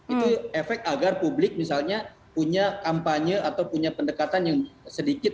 itu efek agar publik misalnya punya kampanye atau punya pendekatan yang sedikit